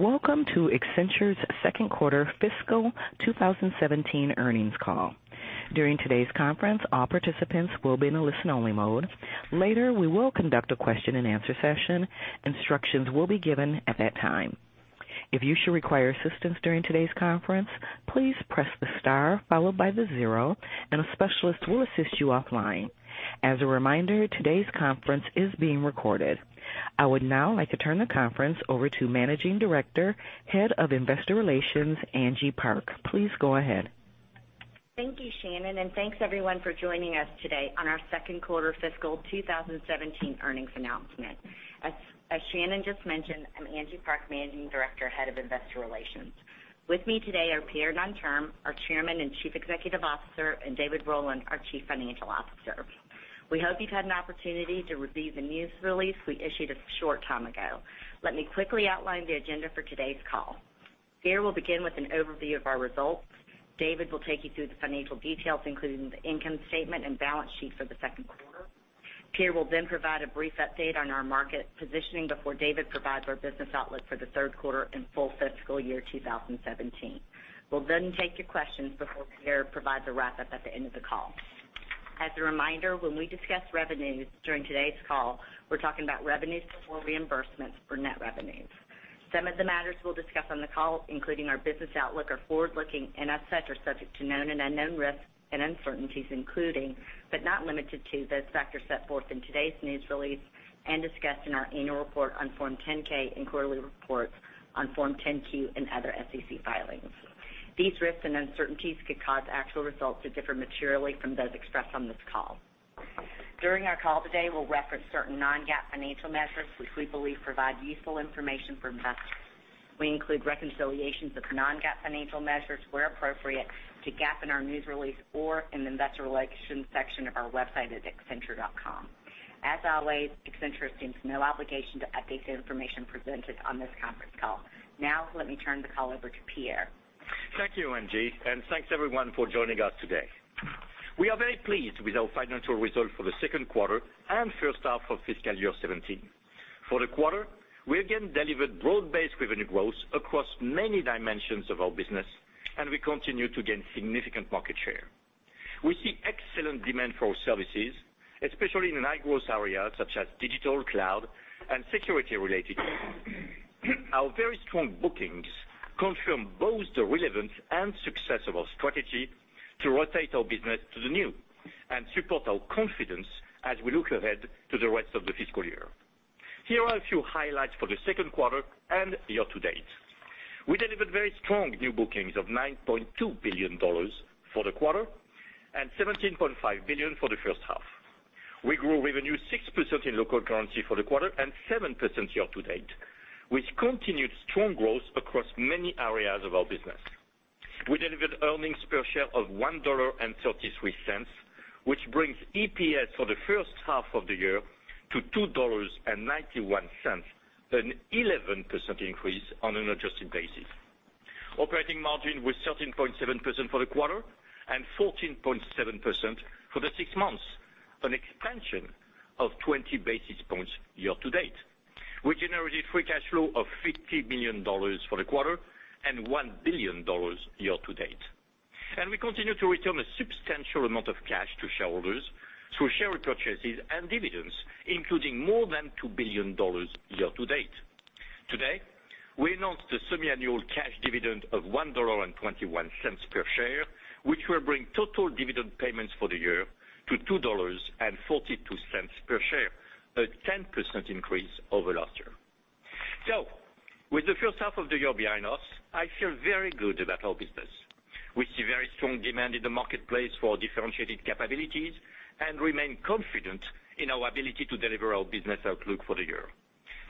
Welcome to Accenture's second quarter fiscal 2017 earnings call. During today's conference, all participants will be in a listen-only mode. Later, we will conduct a question and answer session. Instructions will be given at that time. If you should require assistance during today's conference, please press the star followed by the zero, and a specialist will assist you offline. As a reminder, today's conference is being recorded. I would now like to turn the conference over to Managing Director, Head of Investor Relations, Angie Park. Please go ahead. Thank you, Shannon, and thanks, everyone, for joining us today on our second quarter fiscal 2017 earnings announcement. As Shannon just mentioned, I'm Angie Park, Managing Director, Head of Investor Relations. With me today are Pierre Nanterme, our Chairman and Chief Executive Officer, and David Rowland, our Chief Financial Officer. We hope you've had an opportunity to review the news release we issued a short time ago. Let me quickly outline the agenda for today's call. Pierre will begin with an overview of our results. David will take you through the financial details, including the income statement and balance sheet for the second quarter. Pierre will then provide a brief update on our market positioning before David provides our business outlook for the third quarter and full fiscal year 2017. We'll then take your questions before Pierre provides a wrap-up at the end of the call. As a reminder, when we discuss revenues during today's call, we're talking about revenues before reimbursements for net revenues. Some of the matters we'll discuss on the call, including our business outlook, are forward-looking and are subject to known and unknown risks and uncertainties, including, but not limited to, those factors set forth in today's news release and discussed in our annual report on Form 10-K and quarterly reports on Form 10-Q and other SEC filings. These risks and uncertainties could cause actual results to differ materially from those expressed on this call. During our call today, we'll reference certain non-GAAP financial measures, which we believe provide useful information for investors. We include reconciliations of non-GAAP financial measures where appropriate to GAAP in our news release or in the investor relations section of our website at accenture.com. As always, Accenture assumes no obligation to update the information presented on this conference call. Now, let me turn the call over to Pierre. Thank you, Angie, and thanks, everyone, for joining us today. We are very pleased with our financial results for the second quarter and first half of fiscal year 2017. For the quarter, we again delivered broad-based revenue growth across many dimensions of our business, and we continue to gain significant market share. We see excellent demand for our services, especially in high-growth areas such as digital, cloud, and security-related areas. Our very strong bookings confirm both the relevance and success of our strategy to rotate our business to the new and support our confidence as we look ahead to the rest of the fiscal year. Here are a few highlights for the second quarter and year-to-date. We delivered very strong new bookings of $9.2 billion for the quarter and $17.5 billion for the first half. We grew revenue 6% in local currency for the quarter and 7% year-to-date. We've continued strong growth across many areas of our business. We delivered earnings per share of $1.33, which brings EPS for the first half of the year to $2.91, an 11% increase on an adjusted basis. Operating margin was 13.7% for the quarter and 14.7% for the six months, an expansion of 20 basis points year-to-date. We continue to return a substantial amount of cash to shareholders through share repurchases and dividends, including more than $2 billion year-to-date. Today, we announced a semiannual cash dividend of $1.21 per share, which will bring total dividend payments for the year to $2.42 per share, a 10% increase over last year. With the first half of the year behind us, I feel very good about our business. We see very strong demand in the marketplace for differentiated capabilities and remain confident in our ability to deliver our business outlook for the year.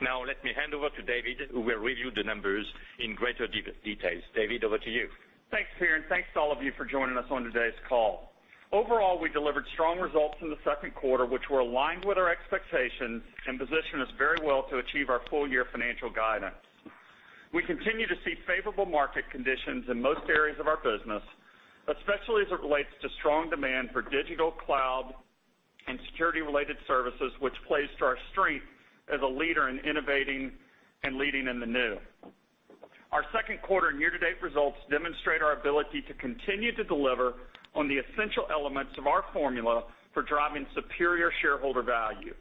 Now, let me hand over to David, who will review the numbers in greater detail. David, over to you. Thanks, Pierre, and thanks to all of you for joining us on today's call. Overall, we delivered strong results in the second quarter, which were aligned with our expectations and position us very well to achieve our full-year financial guidance. We continue to see favorable market conditions in most areas of our business, especially as it relates to strong demand for digital cloud and security-related services, which plays to our strength as a leader in innovating and leading in the new. Our second quarter and year-to-date results demonstrate our ability to continue to deliver on the essential elements of our formula for driving superior shareholder value.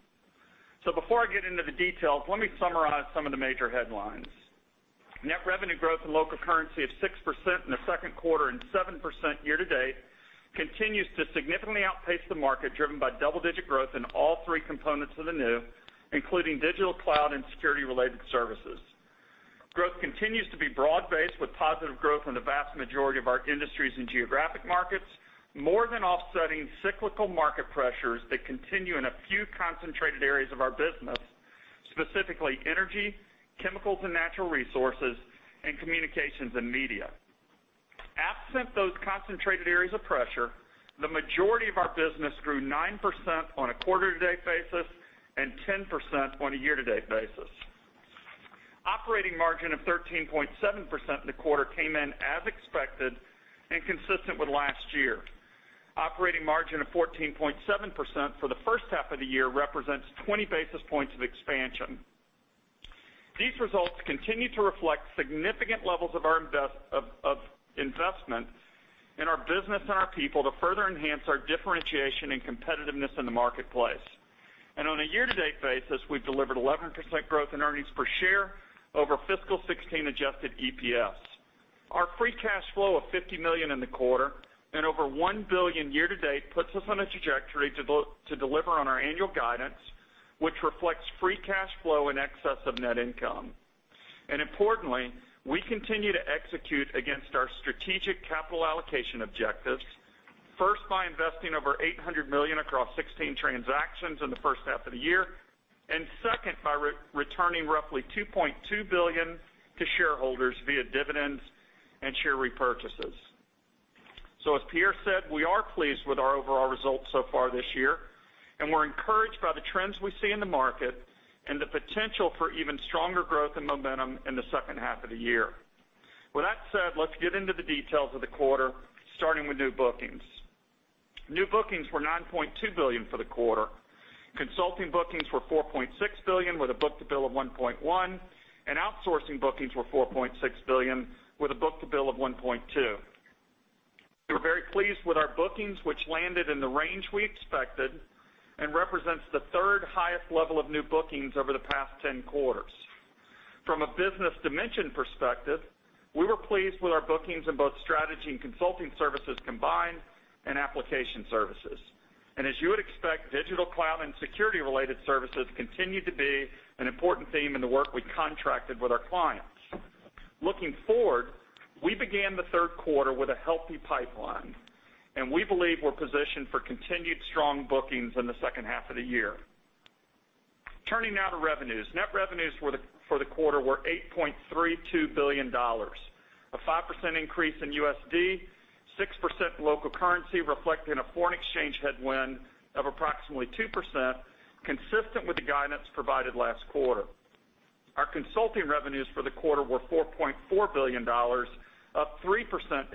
Before I get into the details, let me summarize some of the major headlines. Net revenue growth in local currency of 6% in the second quarter and 7% year-to-date continues to significantly outpace the market, driven by double-digit growth in all three components of the New IT, including digital, cloud and security-related services. Growth continues to be broad-based with positive growth from the vast majority of our industries and geographic markets, more than offsetting cyclical market pressures that continue in a few concentrated areas of our business, specifically Energy, Chemicals and Natural Resources, and Communications and Media. Absent those concentrated areas of pressure, the majority of our business grew 9% on a quarter-to-date basis and 10% on a year-to-date basis. Operating margin of 13.7% in the quarter came in as expected and consistent with last year. Operating margin of 14.7% for the first half of the year represents 20 basis points of expansion. These results continue to reflect significant levels of investment in our business and our people to further enhance our differentiation and competitiveness in the marketplace. On a year-to-date basis, we've delivered 11% growth in EPS over fiscal 2016 adjusted EPS. Our free cash flow of $50 million in the quarter and over $1 billion year to date puts us on a trajectory to deliver on our annual guidance, which reflects free cash flow in excess of net income. Importantly, we continue to execute against our strategic capital allocation objectives, first by investing over $800 million across 16 transactions in the first half of the year, and second, by returning roughly $2.2 billion to shareholders via dividends and share repurchases. As Pierre said, we are pleased with our overall results so far this year, and we're encouraged by the trends we see in the market and the potential for even stronger growth and momentum in the second half of the year. With that said, let's get into the details of the quarter, starting with new bookings. New bookings were $9.2 billion for the quarter. Consulting bookings were $4.6 billion, with a book-to-bill of 1.1, and outsourcing bookings were $4.6 billion with a book-to-bill of 1.2. We were very pleased with our bookings, which landed in the range we expected and represents the third highest level of new bookings over the past 10 quarters. From a business dimension perspective, we were pleased with our bookings in both strategy and consulting services combined and application services. As you would expect, digital, cloud and security-related services continued to be an important theme in the work we contracted with our clients. Looking forward, we began the third quarter with a healthy pipeline, and we believe we're positioned for continued strong bookings in the second half of the year. Turning now to revenues. Net revenues for the quarter were $8.32 billion, a 5% increase in USD, 6% in local currency, reflecting a foreign exchange headwind of approximately 2%, consistent with the guidance provided last quarter. Our consulting revenues for the quarter were $4.4 billion, up 3%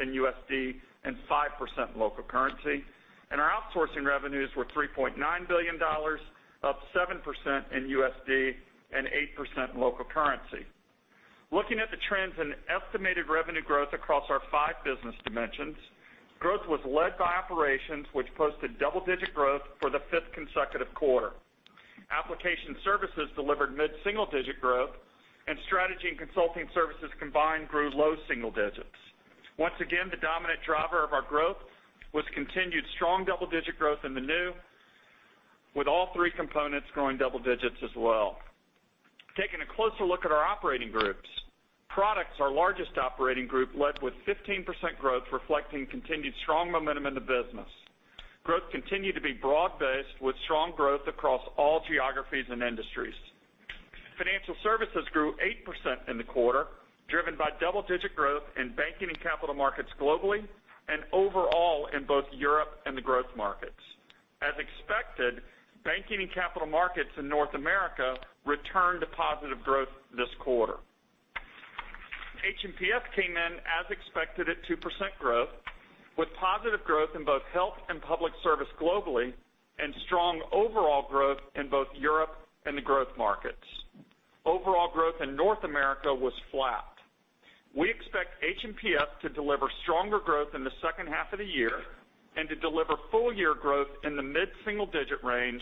in USD and 5% in local currency, and our outsourcing revenues were $3.9 billion, up 7% in USD and 8% in local currency. Looking at the trends in estimated revenue growth across our five business dimensions, growth was led by Accenture Operations which posted double-digit growth for the fifth consecutive quarter. Application services delivered mid-single-digit growth, strategy and consulting services combined grew low single digits. Once again, the dominant driver of our growth was continued strong double-digit growth in the new, with all three components growing double digits as well. Taking a closer look at our operating groups. Products, our largest operating group, led with 15% growth, reflecting continued strong momentum in the business. Growth continued to be broad-based, with strong growth across all geographies and industries. Financial services grew 8% in the quarter, driven by double-digit growth in banking and capital markets globally, and overall in both Europe and the growth markets. As expected, banking and capital markets in North America returned to positive growth this quarter. H&PS came in as expected at 2% growth, with positive growth in both health and public service globally and strong overall growth in both Europe and the growth markets. Overall growth in North America was flat. We expect H&PS to deliver stronger growth in the second half of the year and to deliver full-year growth in the mid-single-digit range,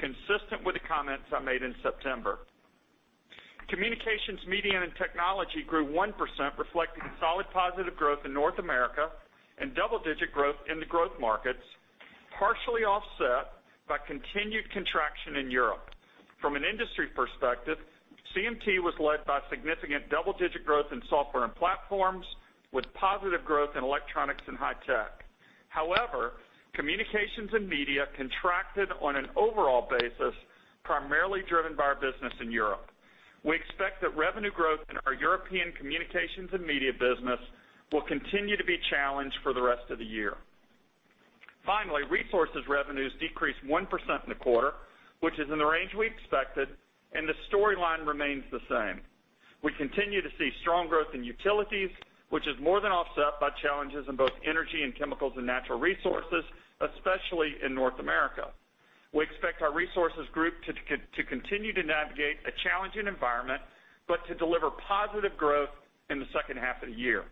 consistent with the comments I made in September. Communications, Media, and Technology grew 1%, reflecting solid positive growth in North America and double-digit growth in the growth markets, partially offset by continued contraction in Europe. From an industry perspective, CMT was led by significant double-digit growth in software and platforms, with positive growth in electronics and high tech. However, communications and media contracted on an overall basis, primarily driven by our business in Europe. We expect that revenue growth in our European communications and media business will continue to be challenged for the rest of the year. Finally, Resources revenues decreased 1% in the quarter, which is in the range we expected, the storyline remains the same. We continue to see strong growth in utilities, which is more than offset by challenges in both energy and chemicals and natural resources, especially in North America. We expect our Resources group to continue to navigate a challenging environment, but to deliver positive growth in the second half of the year.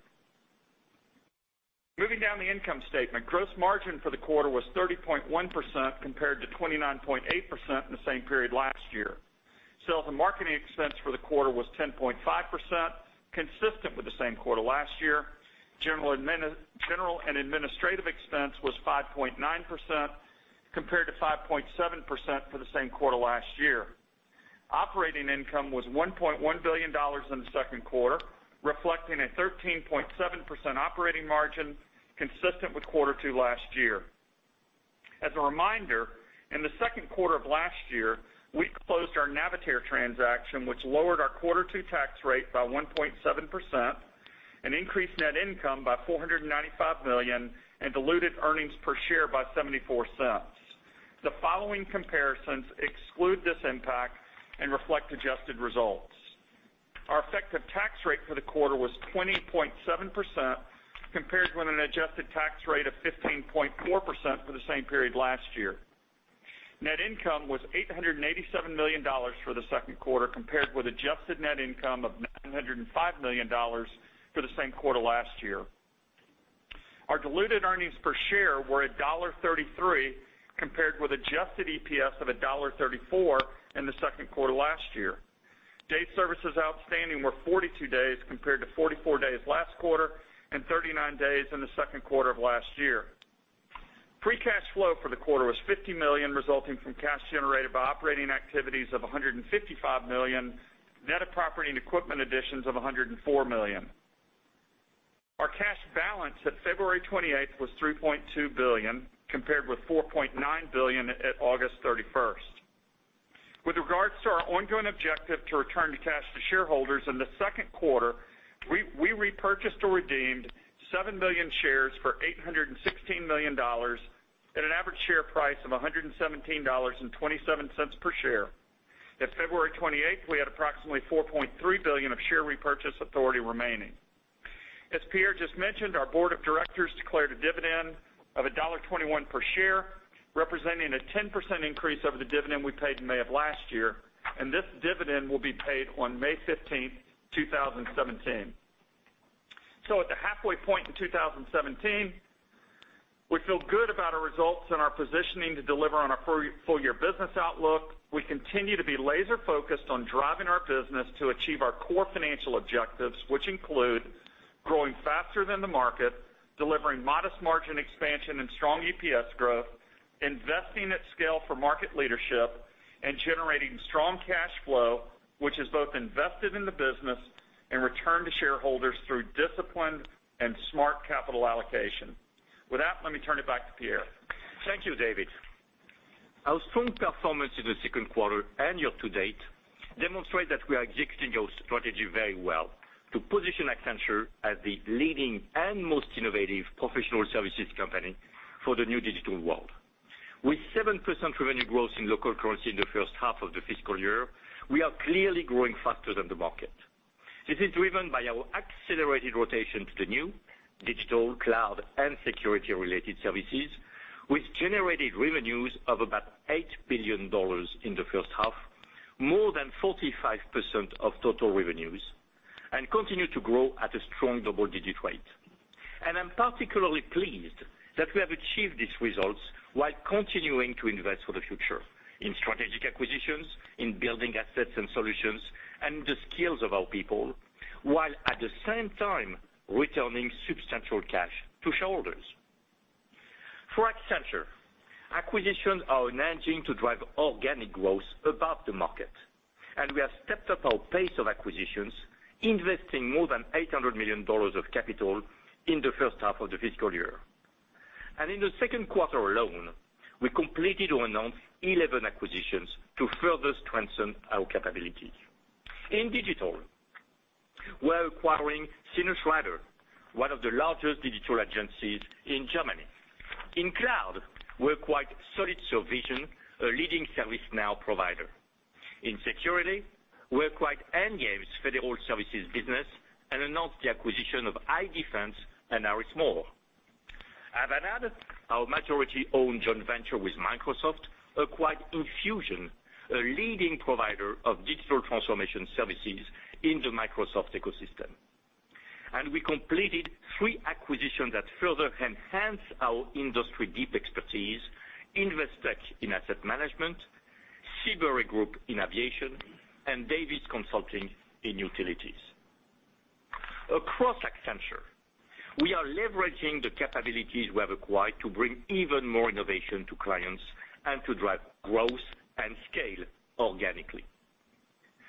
Moving down the income statement, gross margin for the quarter was 30.1% compared to 29.8% in the same period last year. Sales and marketing expense for the quarter was 10.5%, consistent with the same quarter last year. General and administrative expense was 5.9% compared to 5.7% for the same quarter last year. Operating income was $1.1 billion in the second quarter, reflecting a 13.7% operating margin consistent with quarter two last year. As a reminder, in the second quarter of last year, we closed our Navitaire transaction, which lowered our quarter two tax rate by 1.7% and increased net income by $495 million and diluted earnings per share by $0.74. The following comparisons exclude this impact and reflect adjusted results. Our effective tax rate for the quarter was 20.7%, compared with an adjusted tax rate of 15.4% for the same period last year. Net income was $887 million for the second quarter, compared with adjusted net income of $905 million for the same quarter last year. Our diluted earnings per share were $1.33, compared with adjusted EPS of $1.34 in the second quarter last year. Days services outstanding were 42 days, compared to 44 days last quarter and 39 days in the second quarter of last year. Free cash flow for the quarter was $50 million, resulting from cash generated by operating activities of $155 million, net of property and equipment additions of $104 million. Our cash balance at February 28th was $3.2 billion, compared with $4.9 billion at August 31st. With regards to our ongoing objective to return the cash to shareholders, in the second quarter, we repurchased or redeemed seven million shares for $816 million, at an average share price of $117.27 per share. At February 28th, we had approximately $4.3 billion of share repurchase authority remaining. As Pierre just mentioned, our board of directors declared a dividend of $1.21 per share, representing a 10% increase over the dividend we paid in May of last year, and this dividend will be paid on May 15th, 2017. At the halfway point in 2017, we feel good about our results and our positioning to deliver on our full-year business outlook. We continue to be laser-focused on driving our business to achieve our core financial objectives, which include growing faster than the market, delivering modest margin expansion and strong EPS growth, investing at scale for market leadership, and generating strong cash flow, which is both invested in the business and returned to shareholders through disciplined and smart capital allocation. With that, let me turn it back to Pierre. Thank you, David. Our strong performance in the second quarter and year to date demonstrate that we are executing our strategy very well to position Accenture as the leading and most innovative professional services company for the new digital world. With 7% revenue growth in local currency in the first half of the fiscal year, we are clearly growing faster than the market. This is driven by our accelerated rotation to the new digital cloud and security-related services, which generated revenues of about $8 billion in the first half, more than 45% of total revenues, and continue to grow at a strong double-digit rate. I'm particularly pleased that we have achieved these results while continuing to invest for the future in strategic acquisitions, in building assets and solutions, and the skills of our people, while at the same time returning substantial cash to shareholders. For Accenture, acquisitions are an engine to drive organic growth above the market. We have stepped up our pace of acquisitions, investing more than $800 million of capital in the first half of the fiscal year. In the second quarter alone, we completed or announced 11 acquisitions to further strengthen our capabilities. In digital, we're acquiring SinnerSchrader, one of the largest digital agencies in Germany. In cloud, we acquired solid-serVision, a leading ServiceNow provider. In security, we acquired Endgame's federal services business and announced the acquisition of iDefense and Arismore. Avanade, our majority-owned joint venture with Microsoft, acquired Infusion, a leading provider of digital transformation services in the Microsoft ecosystem. We completed three acquisitions that further enhance our industry deep expertise, Investec in asset management, Seabury Group in aviation, and Davis Utility Consulting in utilities. Across Accenture, we are leveraging the capabilities we have acquired to bring even more innovation to clients and to drive growth and scale organically.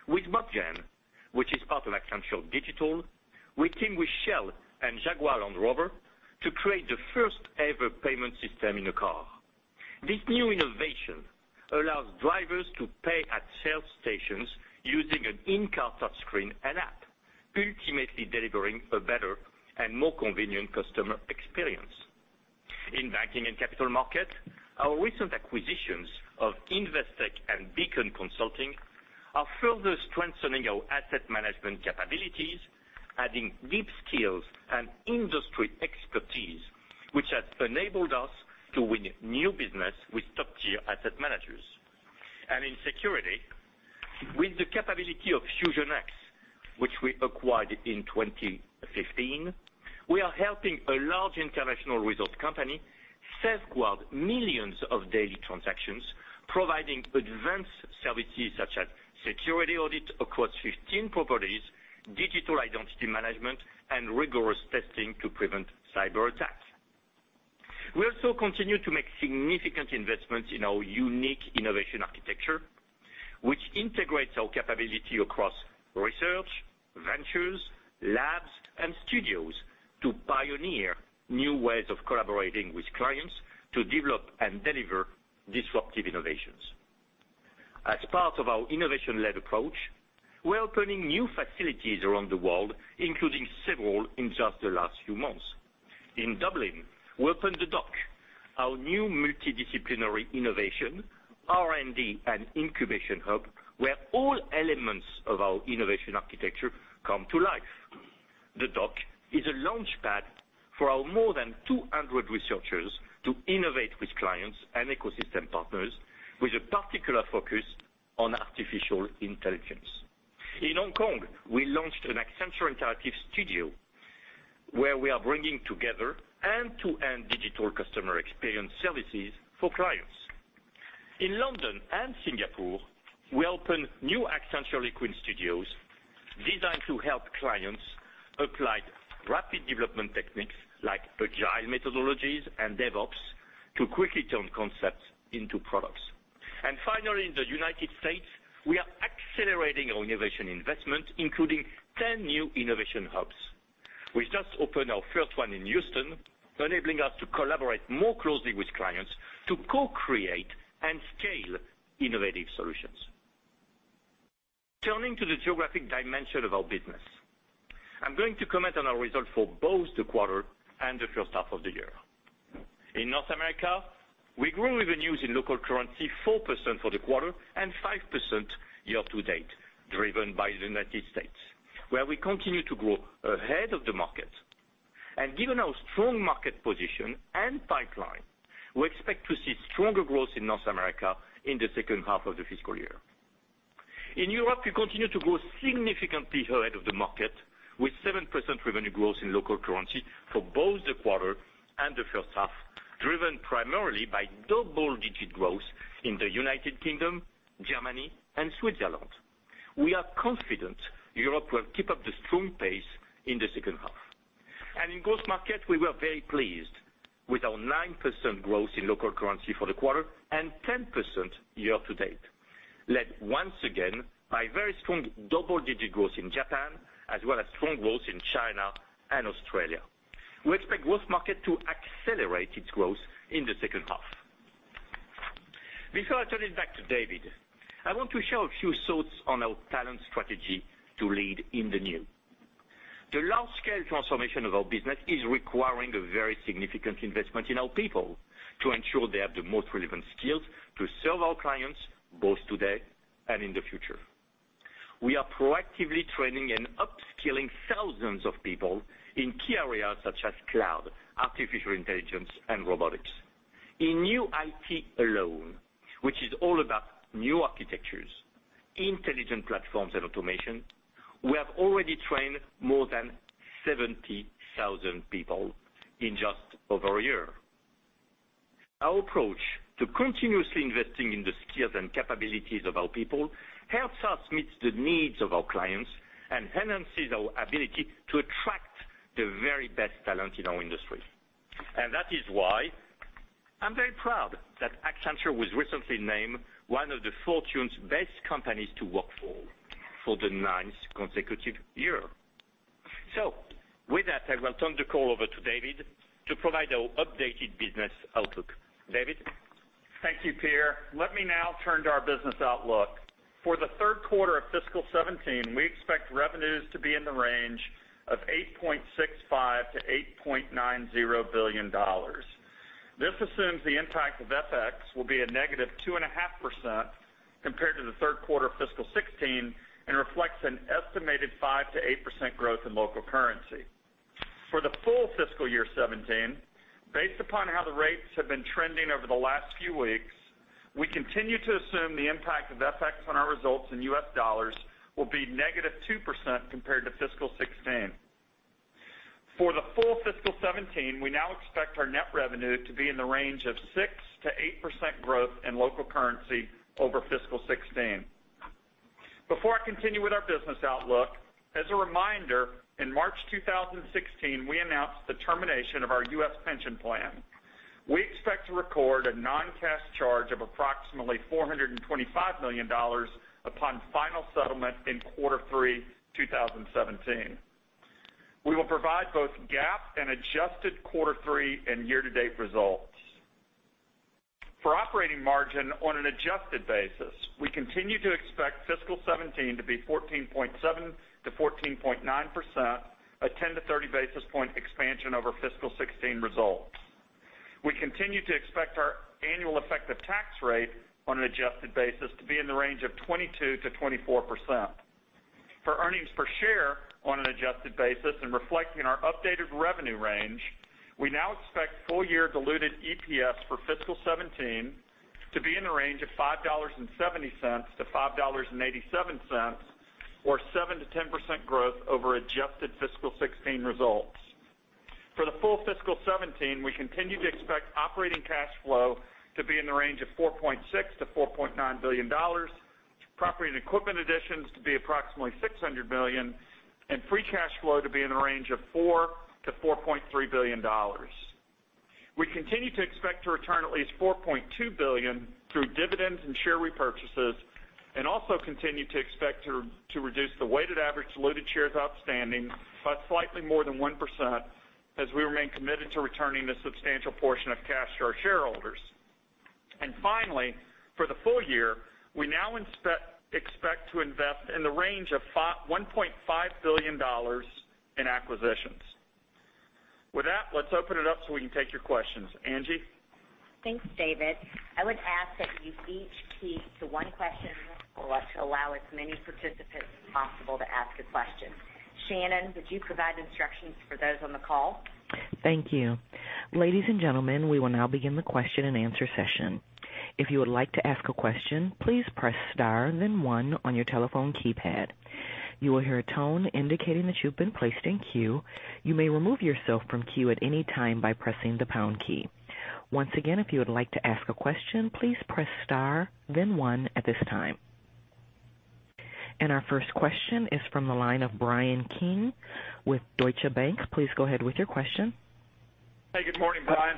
With MOBGEN, which is part of Accenture Digital, we teamed with Shell and Jaguar Land Rover to create the first-ever payment system in a car. This new innovation allows drivers to pay at Shell stations using an in-car touchscreen and app, ultimately delivering a better and more convenient customer experience. In banking and capital market, our recent acquisitions of Investec and Beacon Consulting are further strengthening our asset management capabilities, adding deep skills and industry expertise, which has enabled us to win new business with top-tier asset managers. In security, with the capability of FusionX, which we acquired in 2015, we are helping a large international resort company safeguard millions of daily transactions, providing advanced services such as security audit across 15 properties, digital identity management, and rigorous testing to prevent cyberattacks. We also continue to make significant investments in our unique innovation architecture, which integrates our capability across research, ventures, labs, and studios to pioneer new ways of collaborating with clients to develop and deliver disruptive innovations. As part of our innovation-led approach, we're opening new facilities around the world, including several in just the last few months. In Dublin, we opened The Dock, our new multidisciplinary innovation, R&D and incubation hub, where all elements of our innovation architecture come to life. The Dock is a launchpad for our more than 200 researchers to innovate with clients and ecosystem partners, with a particular focus on artificial intelligence. In Hong Kong, we launched an Accenture Interactive Studio, where we are bringing together end-to-end digital customer experience services for clients. In London and Singapore, we opened new Accenture Liquid Studios designed to help clients apply rapid development techniques like agile methodologies and DevOps to quickly turn concepts into products. Finally, in the U.S., we are accelerating our innovation investment, including 10 new innovation hubs. We just opened our first one in Houston, enabling us to collaborate more closely with clients to co-create and scale innovative solutions. Turning to the geographic dimension of our business, I'm going to comment on our results for both the quarter and the first half of the year. In North America, we grew revenues in local currency 4% for the quarter and 5% year to date, driven by the U.S., where we continue to grow ahead of the market. Given our strong market position and pipeline, we expect to see stronger growth in North America in the second half of the fiscal year. In Europe, we continue to grow significantly ahead of the market, with 7% revenue growth in local currency for both the quarter and the first half, driven primarily by double-digit growth in the U.K., Germany, and Switzerland. We are confident Europe will keep up the strong pace in the second half. In growth market, we were very pleased with our 9% growth in local currency for the quarter and 10% year to date. Led once again by very strong double-digit growth in Japan as well as strong growth in China and Australia. We expect growth market to accelerate its growth in the second half. Before I turn it back to David, I want to share a few thoughts on our talent strategy to lead in the new. The large-scale transformation of our business is requiring a very significant investment in our people to ensure they have the most relevant skills to serve our clients, both today and in the future. We are proactively training and upskilling thousands of people in key areas such as cloud, artificial intelligence, and robotics. In New IT alone, which is all about new architectures, intelligent platforms, and automation, we have already trained more than 70,000 people in just over a year. Our approach to continuously investing in the skills and capabilities of our people helps us meet the needs of our clients and enhances our ability to attract the very best talent in our industry. That is why I'm very proud that Accenture was recently named one of Fortune's best companies to work for the ninth consecutive year. With that, I will turn the call over to David to provide our updated business outlook. David? Thank you, Pierre. Let me now turn to our business outlook. For the third quarter of fiscal 2017, we expect revenues to be in the range of $8.65 billion-$8.90 billion. This assumes the impact of FX will be -2.5% compared to the third quarter of fiscal 2016 and reflects an estimated 5%-8% growth in local currency. For the full fiscal year 2017, based upon how the rates have been trending over the last few weeks, we continue to assume the impact of FX on our results in US dollars will be -2% compared to fiscal 2016. For the full fiscal 2017, we now expect our net revenue to be in the range of 6%-8% growth in local currency over fiscal 2016. Before I continue with our business outlook, as a reminder, in March 2016, we announced the termination of our U.S. pension plan. We expect to record a non-cash charge of approximately $425 million upon final settlement in quarter three 2017. We will provide both GAAP and adjusted quarter three and year-to-date results. For operating margin on an adjusted basis, we continue to expect fiscal 2017 to be 14.7%-14.9%, a 10-30 basis point expansion over fiscal 2016 results. We continue to expect our annual effective tax rate on an adjusted basis to be in the range of 22%-24%. For earnings per share on an adjusted basis and reflecting our updated revenue range, we now expect full-year diluted EPS for fiscal 2017 to be in the range of $5.70-$5.87, or 7%-10% growth over adjusted fiscal 2016 results. For the full fiscal 2017, we continue to expect operating cash flow to be in the range of $4.6 billion-$4.9 billion, property and equipment additions to be approximately $600 million, and free cash flow to be in the range of $4 billion-$4.3 billion. We continue to expect to return at least $4.2 billion through dividends and share repurchases, also continue to expect to reduce the weighted average diluted shares outstanding by slightly more than 1% as we remain committed to returning a substantial portion of cash to our shareholders. Finally, for the full year, we now expect to invest in the range of $1.5 billion in acquisitions. With that, let's open it up so we can take your questions. Angie? Thanks, David. I would ask that you each key to one question to allow as many participants as possible to ask a question. Shannon, would you provide instructions for those on the call? Thank you. Ladies and gentlemen, we will now begin the question and answer session. If you would like to ask a question, please press star and then one on your telephone keypad. You will hear a tone indicating that you've been placed in queue. You may remove yourself from queue at any time by pressing the pound key. Once again, if you would like to ask a question, please press star then one at this time. Our first question is from the line of Bryan Keane with Deutsche Bank. Please go ahead with your question. Hey, good morning, Bryan.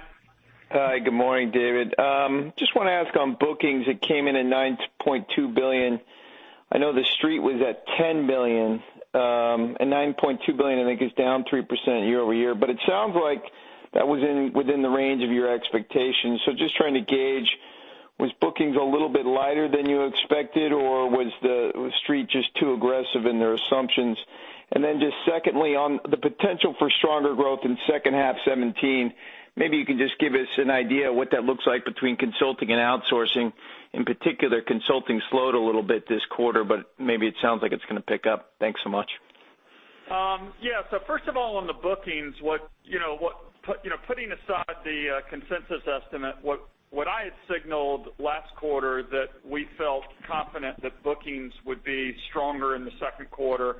Hi, good morning, David. I want to ask on bookings. It came in at $9.2 billion. I know the Street was at $10 billion, $9.2 billion, I think, is down 3% year-over-year. It sounds like that was within the range of your expectations. Trying to gauge, was bookings a little bit lighter than you expected, or was the Street too aggressive in their assumptions? Secondly, on the potential for stronger growth in second half 2017, maybe you can give us an idea of what that looks like between consulting and outsourcing. In particular, consulting slowed a little bit this quarter, maybe it sounds like it's going to pick up. Thanks so much. First of all, on the bookings, putting aside the consensus estimate, what I had signaled last quarter that we felt confident that bookings would be stronger in the second quarter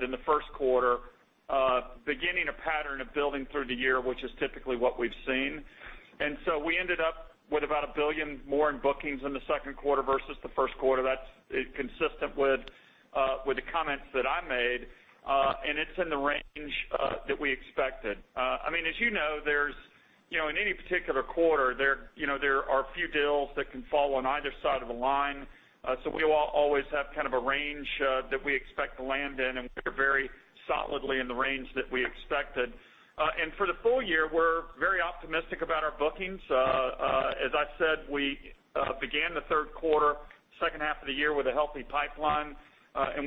than the first quarter, beginning a pattern of building through the year, which is typically what we've seen. We ended up with about $1 billion more in bookings in the second quarter versus the first quarter. That's consistent with the comments that I made, it's in the range that we expected. As you know, in any particular quarter, there are a few deals that can fall on either side of a line. We will always have kind of a range that we expect to land in, we are very solidly in the range that we expected. For the full year, we're very optimistic about our bookings. As I said, we began the third quarter, second half of the year with a healthy pipeline,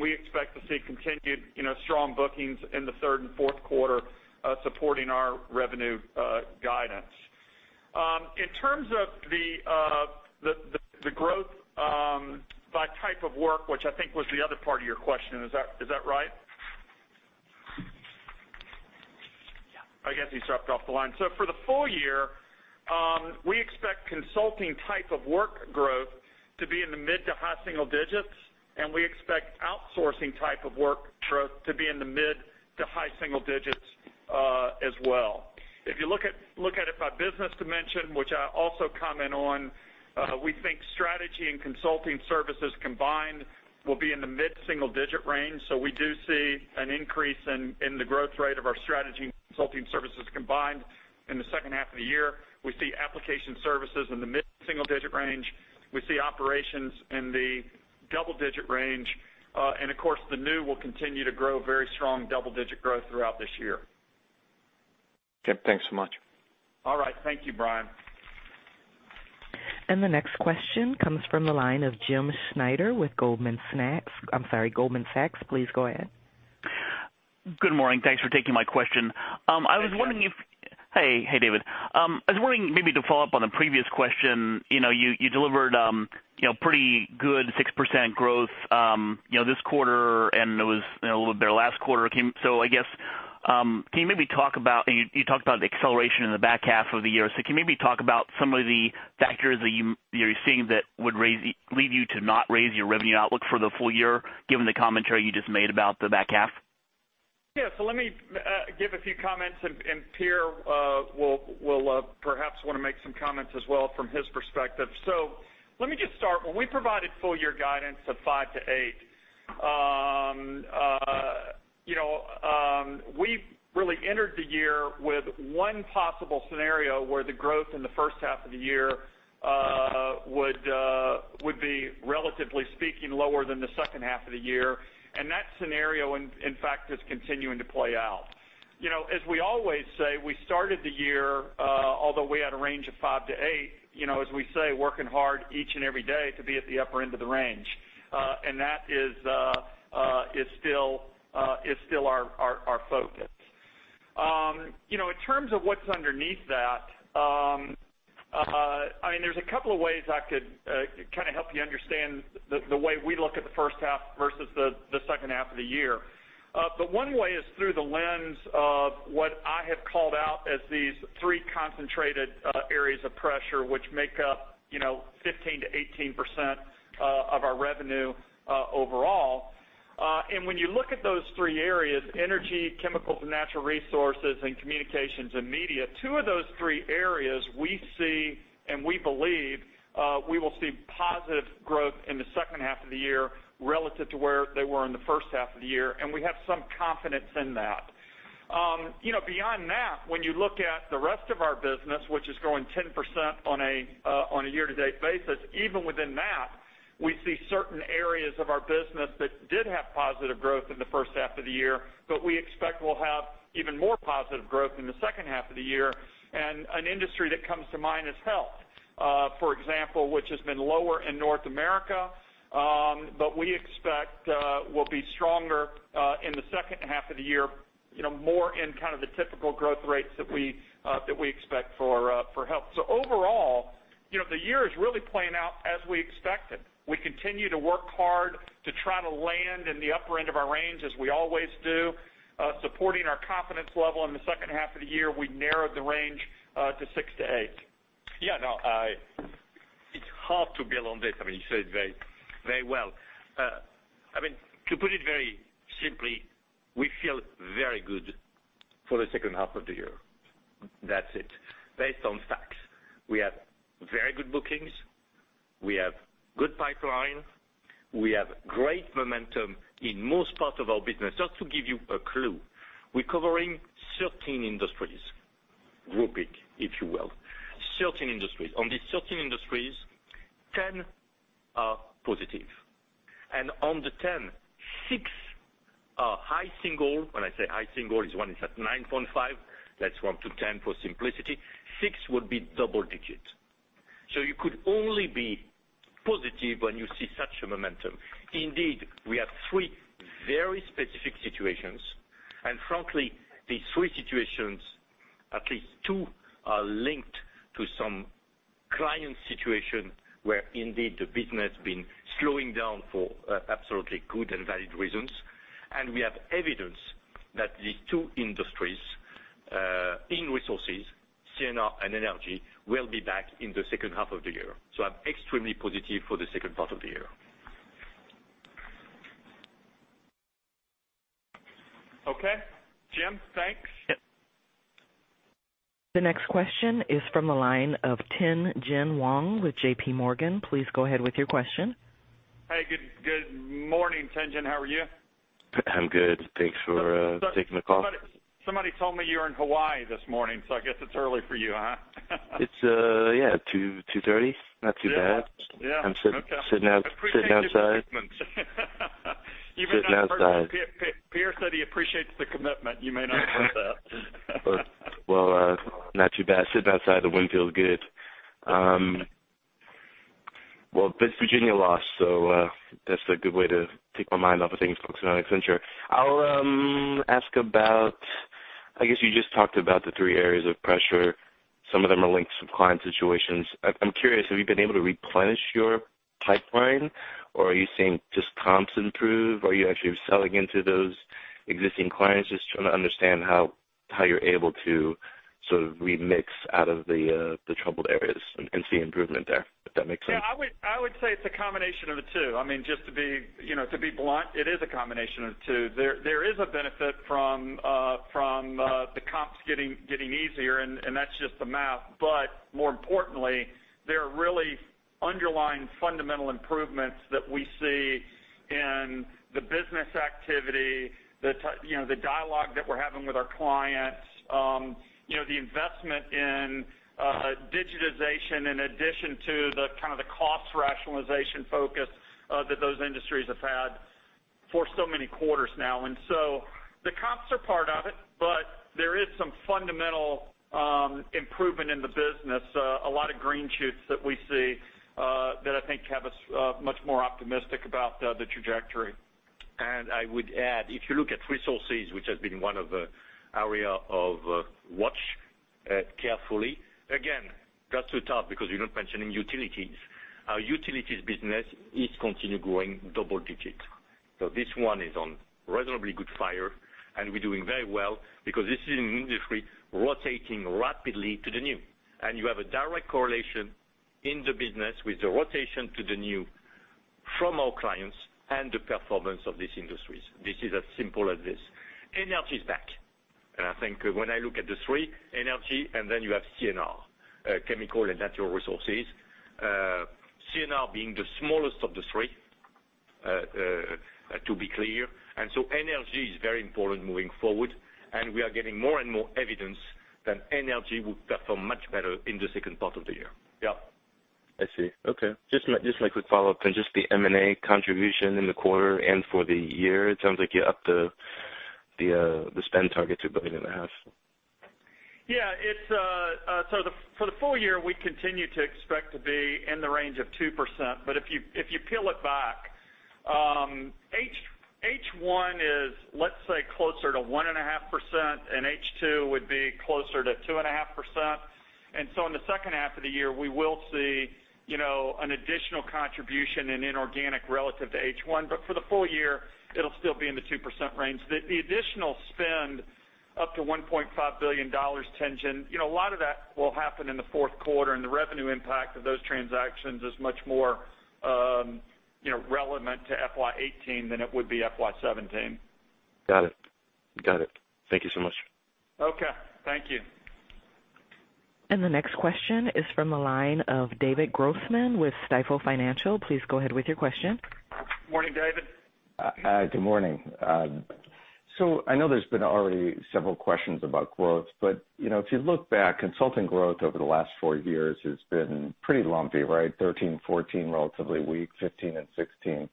we expect to see continued strong bookings in the third and fourth quarter, supporting our revenue guidance. In terms of the growth by type of work, which I think was the other part of your question, is that right? I guess he dropped off the line. For the full year, we expect consulting type of work growth to be in the mid to high single digits, we expect outsourcing type of work growth to be in the mid to high single digits as well. If you look at it by business dimension, which I also comment on, we think strategy and consulting services combined will be in the mid-single-digit range, we do see an increase in the growth rate of our strategy and consulting services combined in the second half of the year. We see application services in the mid-single-digit range. We see operations in the double-digit range. Of course, the new will continue to grow very strong double-digit growth throughout this year. Okay, thanks so much. All right. Thank you, Bryan. The next question comes from the line of James Schneider with Goldman Sachs. Please go ahead. Good morning. Thanks for taking my question. Hey, Jim. Hey, David. I was wondering maybe to follow up on the previous question. You delivered pretty good 6% growth this quarter, and it was a little bit better last quarter. I guess, you talked about the acceleration in the back half of the year. Can you maybe talk about some of the factors that you're seeing that would lead you to not raise your revenue outlook for the full year, given the commentary you just made about the back half? Yeah. Let me give a few comments, and Pierre will perhaps want to make some comments as well from his perspective. Let me just start. When we provided full year guidance of five to eight, we really entered the year with one possible scenario where the growth in the first half of the year would be, relatively speaking, lower than the second half of the year. That scenario, in fact, is continuing to play out. As we always say, we started the year, although we had a range of five to eight, as we say, working hard each and every day to be at the upper end of the range. That is still our focus. In terms of what's underneath that, there's a couple of ways I could help you understand the way we look at the first half versus the second half of the year. One way is through the lens of what I have called out as these three concentrated areas of pressure, which make up 15%-18% of our revenue overall. When you look at those three areas, Energy, Chemicals and Natural Resources, and Communications and Media, two of those three areas we see, and we believe, we will see positive growth in the second half of the year relative to where they were in the first half of the year, we have some confidence in that. Beyond that, when you look at the rest of our business, which is growing 10% on a year-to-date basis, even within that, we see certain areas of our business that did have positive growth in the first half of the year, we expect we'll have even more positive growth in the second half of the year. An industry that comes to mind is health, for example, which has been lower in North America, but we expect will be stronger in the second half of the year, more in the typical growth rates that we expect for health. Overall, the year is really playing out as we expected. We continue to work hard to try to land in the upper end of our range as we always do, supporting our confidence level in the second half of the year. We narrowed the range to six to eight. Yeah. It's hard to build on this. You said it very well. To put it very simply, we feel very good for the second half of the year. That's it. Based on facts. We have very good bookings. We have good pipeline. We have great momentum in most parts of our business. Just to give you a clue, we're covering 13 industries, grouping, if you will. 13 industries. On these 13 industries, 10 are positive, and on the 10, six are high single. When I say high single is one is at 9.5. That's one to 10 for simplicity. Six would be double digit. You could only be positive when you see such a momentum. Indeed, we have three very specific situations, and frankly, these three situations, at least two are linked to some client situation where indeed the business been slowing down for absolutely good and valid reasons. We have evidence that these two industries, in resources, CNR, and energy, will be back in the second half of the year. I'm extremely positive for the second part of the year. Okay. Jim, thanks. Yeah. The next question is from the line of Tien-Tsin Huang with JPMorgan. Please go ahead with your question. Hey, good morning, Tien-Tsin. How are you? I'm good. Thanks for taking the call. Somebody told me you're in Hawaii this morning, so I guess it's early for you, huh? It's, yeah, 2:00, 2:30. Not too bad. Yeah. Okay. I'm sitting outside. I appreciate your commitment. Sitting outside. Pierre said he appreciates the commitment. You may not want that. Not too bad sitting outside. The wind feels good. Virginia lost, so, that's a good way to take my mind off of things, focusing on Accenture. I'll ask about I guess you just talked about the three areas of pressure. Some of them are linked to some client situations. I'm curious, have you been able to replenish your pipeline, or are you seeing just comps improve, or are you actually selling into those existing clients? Just trying to understand how you're able to sort of remix out of the troubled areas and see improvement there, if that makes sense. I would say it's a combination of the two. Just to be blunt, it is a combination of the two. There is a benefit from the comps getting easier, that's just the math. More importantly, there are really underlying fundamental improvements that we see in the business activity, the dialogue that we're having with our clients. The investment in digitization in addition to the cost rationalization focus that those industries have had for so many quarters now. The comps are part of it, there is some fundamental improvement in the business. A lot of green shoots that we see, that I think have us much more optimistic about the trajectory. I would add, if you look at resources, which has been one of the area of watch carefully. Again, that's so tough because you're not mentioning utilities. Our utilities business is continue growing double digits. This one is on reasonably good fire, and we're doing very well because this is an industry rotating rapidly to the new. You have a direct correlation in the business with the rotation to the new from our clients and the performance of these industries. This is as simple as this. Energy's back, and I think when I look at the three, Energy, and then you have CNR, Chemical and Natural Resources. CNR being the smallest of the three, to be clear. Energy is very important moving forward, and we are getting more and more evidence that Energy will perform much better in the second part of the year. Yeah. I see. Okay. Just my quick follow-up then, just the M&A contribution in the quarter and for the year, it sounds like you're up the spend target to $1.5 billion. For the full year, we continue to expect to be in the range of 2%, if you peel it back, H1 is, let's say, closer to 1.5%, and H2 would be closer to 2.5%. In the second half of the year, we will see an additional contribution in inorganic relative to H1. For the full year, it'll still be in the 2% range. The additional spend up to $1.5 billion, Tien-Tsin, a lot of that will happen in the fourth quarter, and the revenue impact of those transactions is much more relevant to FY 2018 than it would be FY 2017. Got it. Thank you so much. Okay. Thank you. The next question is from the line of David Grossman with Stifel Financial. Please go ahead with your question. Morning, David. Good morning. I know there's been already several questions about growth, if you look back, consulting growth over the last four years has been pretty lumpy, right? 2013, 2014, relatively weak, 2015 and 2016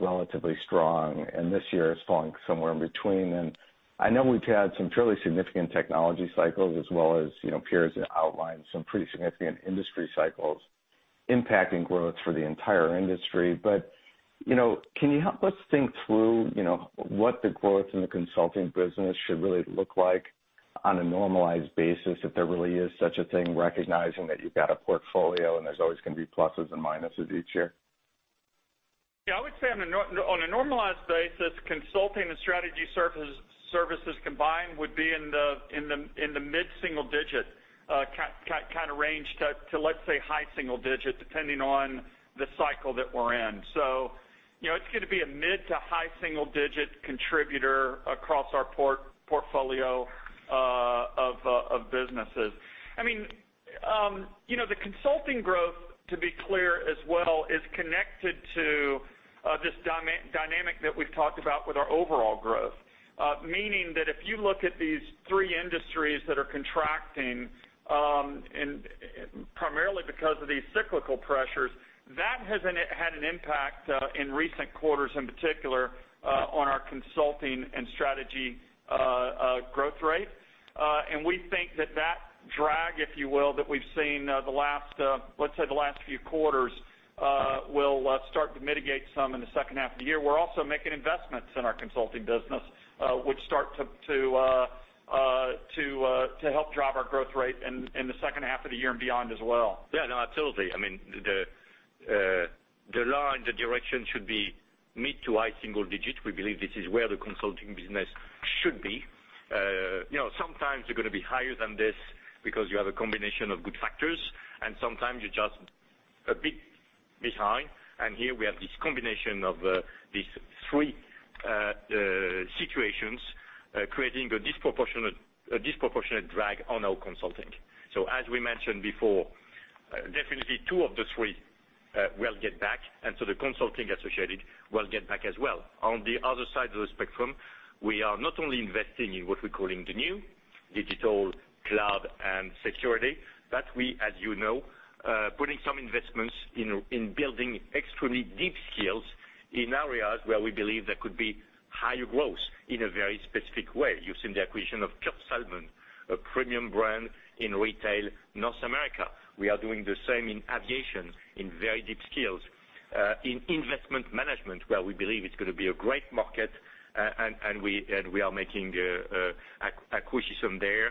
relatively strong, and this year is falling somewhere in between. I know we've had some fairly significant technology cycles as well as, Pierre has outlined some pretty significant industry cycles impacting growth for the entire industry. Can you help us think through what the growth in the consulting business should really look like on a normalized basis, if there really is such a thing, recognizing that you've got a portfolio and there's always going to be pluses and minuses each year? Yeah. I would say on a normalized basis, consulting and strategy services combined would be in the mid-single digit kind of range to, let's say, high single digit, depending on the cycle that we're in. It's going to be a mid to high single digit contributor across our portfolio of businesses. The consulting growth, to be clear as well, is connected to this dynamic that we've talked about with our overall growth. Meaning that if you look at these three industries that are contracting, primarily because of these cyclical pressures, that has had an impact, in recent quarters in particular, on our consulting and strategy growth rate. We think that drag, if you will, that we've seen, let's say, the last few quarters, will start to mitigate some in the second half of the year. We're also making investments in our consulting business, which start to help drive our growth rate in the second half of the year and beyond as well. Yeah, absolutely. The line, the direction should be mid to high single digit. We believe this is where the consulting business should be. Sometimes you're going to be higher than this because you have a combination of good factors, and sometimes you're just a bit behind. Here we have this combination of these three situations creating a disproportionate drag on our consulting. As we mentioned before, definitely two of the three will get back, the consulting associated will get back as well. On the other side of the spectrum, we are not only investing in what we're calling the new digital cloud and security, but we, as you know, putting some investments in building extremely deep skills in areas where we believe there could be higher growth in a very specific way. You've seen the acquisition of Kurt Salmon, a premium brand in retail North America. We are doing the same in aviation, in very deep skills, in investment management, where we believe it's going to be a great market, we are making acquisitions there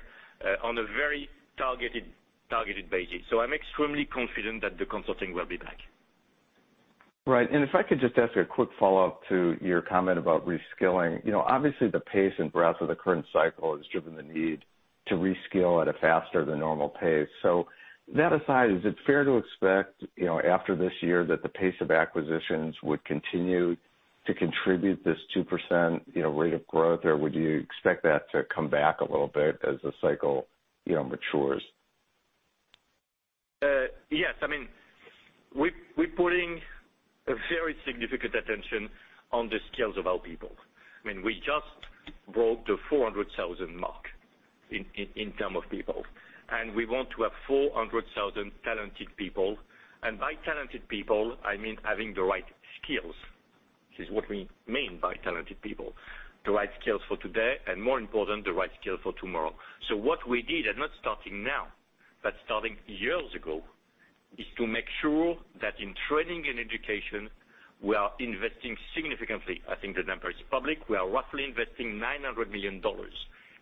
on a very targeted basis. I'm extremely confident that the consulting will be back. Right. If I could just ask a quick follow-up to your comment about reskilling. Obviously, the pace and breadth of the current cycle has driven the need to reskill at a faster than normal pace. That aside, is it fair to expect, after this year, that the pace of acquisitions would continue to contribute this 2% rate of growth, or would you expect that to come back a little bit as the cycle matures? Yes. We're putting a very significant attention on the skills of our people. We just broke the 400,000 mark in terms of people, we want to have 400,000 talented people. By talented people, I mean having the right skills. This is what we mean by talented people. The right skills for today, and more important, the right skill for tomorrow. What we did, and not starting now, but starting years ago, is to make sure that in training and education, we are investing significantly. I think the number is public. We are roughly investing $900 million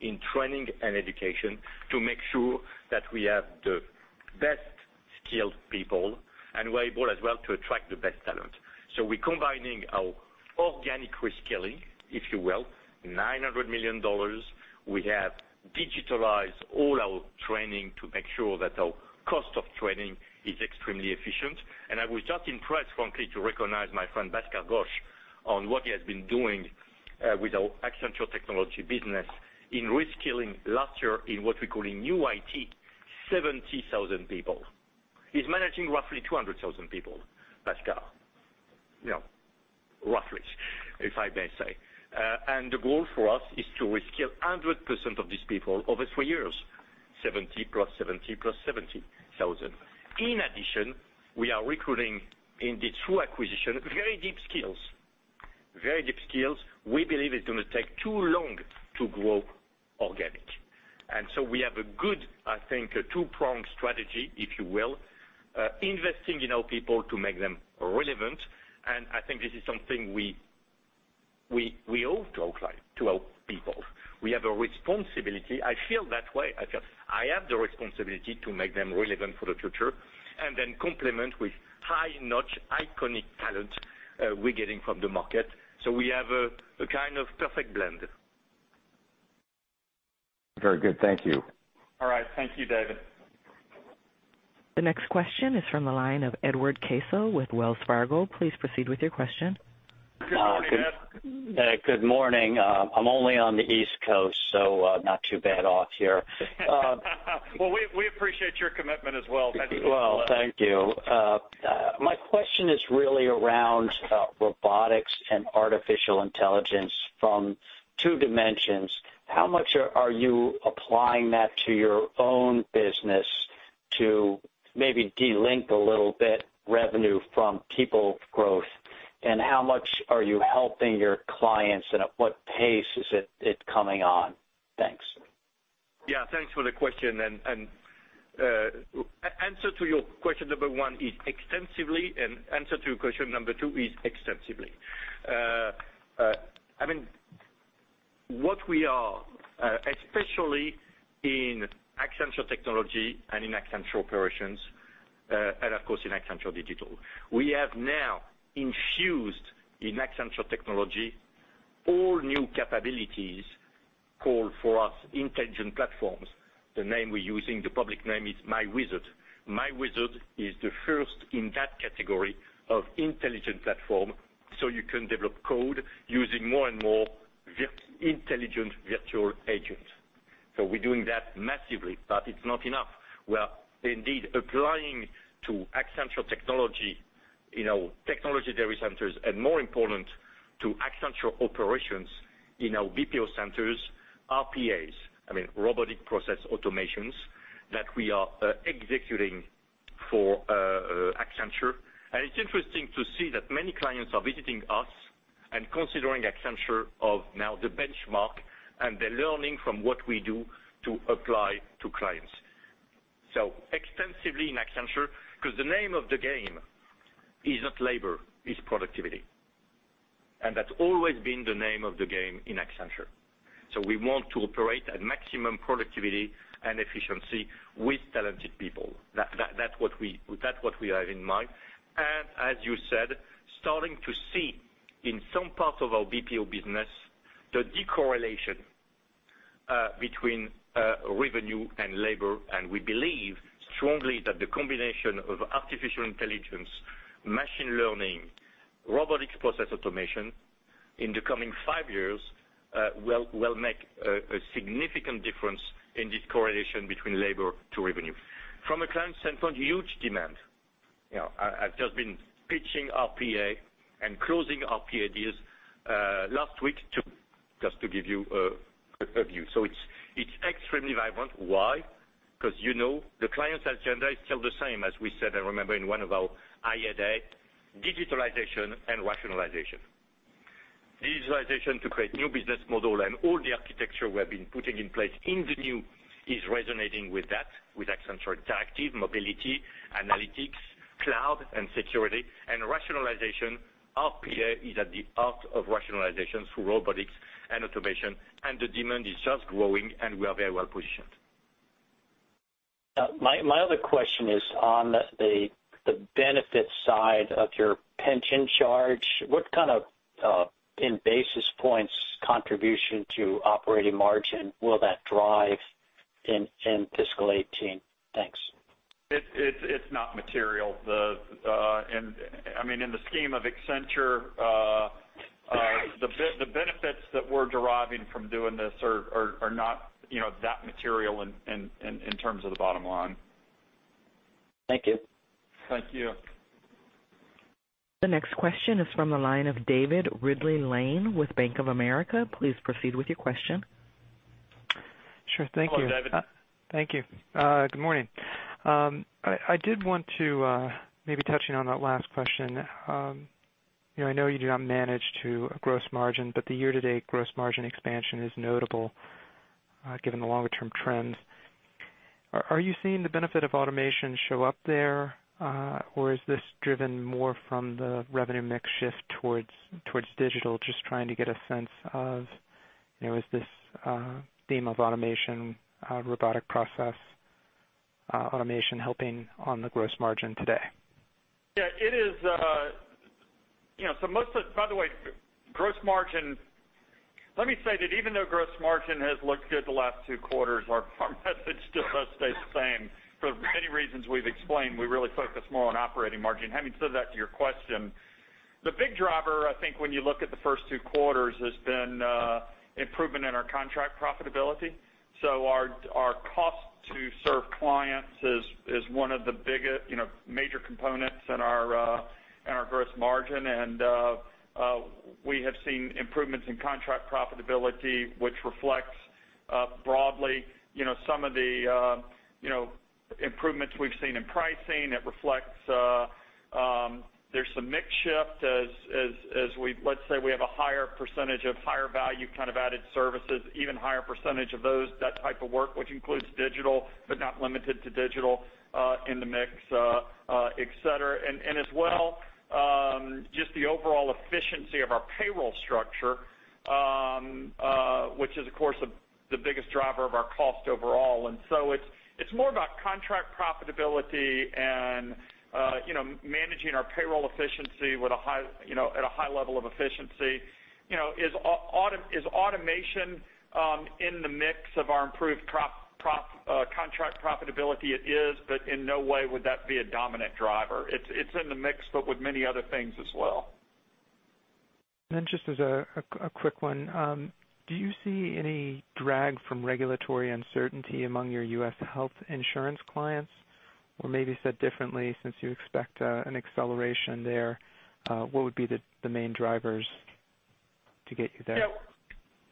in training and education to make sure that we have the best skilled people and we are able as well to attract the best talent. We're combining our organic reskilling, if you will, $900 million. We have digitalized all our training to make sure that our cost of training is extremely efficient. I was just impressed, frankly, to recognize my friend, Bhaskar Ghosh, on what he has been doing with our Accenture Technology business in reskilling last year in what we're calling New IT 70,000 people. He's managing roughly 200,000 people, Bhaskar. Roughly, if I may say. The goal for us is to reskill 100% of these people over three years, 70,000 plus 70,000 plus 70,000. In addition, we are recruiting in the two acquisitions, very deep skills. We believe it's going to take too long to grow organic. We have a good, I think, a two-pronged strategy, if you will, investing in our people to make them relevant. I think this is something we owe to our people. We have a responsibility. I feel that way. I feel I have the responsibility to make them relevant for the future and then complement with high-notch, iconic talent we're getting from the market. We have a kind of perfect blend. Very good. Thank you. All right. Thank you, David. The next question is from the line of Edward Caso with Wells Fargo. Please proceed with your question. Good morning, guys. Good morning. I'm only on the East Coast. Not too bad off here. Well, we appreciate your commitment as well, Matthew. Well, thank you. My question is really around robotics and artificial intelligence from two dimensions. How much are you applying that to your own business to maybe de-link a little bit revenue from people growth? How much are you helping your clients, and at what pace is it coming on? Thanks. Yeah. Thanks for the question. Answer to your question number 1 is extensively. Answer to question number 2 is extensively. What we are especially in Accenture Technology and in Accenture Operations and of course, in Accenture Digital. We have now infused in Accenture Technology all new capabilities called for us intelligent platforms. The name we're using, the public name is myWizard. myWizard is the first in that category of intelligent platform. You can develop code using more and more intelligent virtual agents. We're doing that massively. It's not enough. We are indeed applying to Accenture Technology in our technology data centers, and more important, to Accenture Operations in our BPO centers, RPAs. Robotic process automations that we are executing for Accenture. It's interesting to see that many clients are visiting us and considering Accenture as now the benchmark. They're learning from what we do to apply to clients. Extensively in Accenture, because the name of the game is not labor, it's productivity. That's always been the name of the game in Accenture. We want to operate at maximum productivity and efficiency with talented people. That's what we have in mind. As you said, starting to see in some parts of our BPO business, the de-correlation between revenue and labor. We believe strongly that the combination of artificial intelligence, machine learning, robotic process automation in the coming 5 years will make a significant difference in this correlation between labor to revenue. From a client standpoint, huge demand. I've just been pitching RPA and closing RPA deals last week, just to give you a view. It's extremely vibrant. Why? Because you know the client's agenda is still the same as we said, I remember in one of our IADA, digitalization and rationalization. Digitalization to create new business model and all the architecture we have been putting in place in the new is resonating with that, with Accenture Interactive mobility, analytics, cloud and security. Rationalization, RPA is at the heart of rationalizations through robotics and automation, the demand is just growing, and we are very well-positioned. My other question is on the benefit side of your pension charge. What kind of in basis points contribution to operating margin will that drive in fiscal 2018? Thanks. It's not material. In the scheme of Accenture, the benefits that we're deriving from doing this are not that material in terms of the bottom line. Thank you. Thank you. The next question is from the line of David Ridley-Lane with Bank of America. Please proceed with your question. Sure. Thank you. Hello, David. Thank you. Good morning. I did want to maybe touching on that last question. I know you do not manage to a gross margin, but the year-to-date gross margin expansion is notable given the longer-term trends. Are you seeing the benefit of automation show up there, or is this driven more from the revenue mix shift towards digital? Just trying to get a sense of, is this theme of automation, robotic process automation helping on the gross margin today? Yeah. By the way, let me say that even though gross margin has looked good the last two quarters, our message still does stay the same. For many reasons we've explained, we really focus more on operating margin. Having said that, to your question, the big driver, I think when you look at the first two quarters, has been improvement in our contract profitability. Our cost to serve clients is one of the major components in our gross margin. We have seen improvements in contract profitability, which reflects broadly some of the improvements we've seen in pricing. There's some mix shift as let's say we have a higher percentage of higher value added services, even higher percentage of that type of work, which includes digital, but not limited to digital in the mix, et cetera. As well, just the overall efficiency of our payroll structure, which is of course the biggest driver of our cost overall. It's more about contract profitability and managing our payroll efficiency at a high level of efficiency. Is automation in the mix of our improved contract profitability? It is, but in no way would that be a dominant driver. It's in the mix, but with many other things as well. just as a quick one. Do you see any drag from regulatory uncertainty among your U.S. health insurance clients? Maybe said differently, since you expect an acceleration there, what would be the main drivers to get you there?